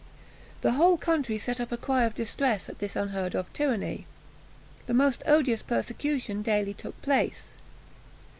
The whole country sent up a cry of distress at this unheard of tyranny. The most odious persecution daily took place.